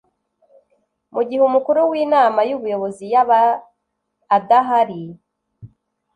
mugihe umukuru w Inama y Ubuyobozi yaba adahari